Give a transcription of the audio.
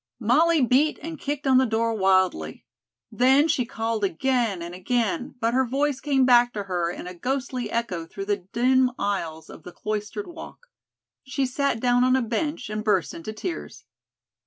Molly beat and kicked on the door wildly. Then she called again and again but her voice came back to her in a ghostly echo through the dim aisles of the cloistered walk. She sat down on a bench and burst into tears.